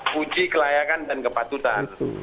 puji kelayakan dan kepatutan